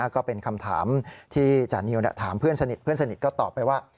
ก็เป็นคำถามที่จานิวถามเพื่อนสนิทเพื่อนสนิทก็ตอบไปว่า